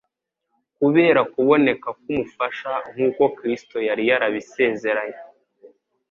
kubera kuboneka k'umufasha nk'uko Kristo yari yarabisezeranye.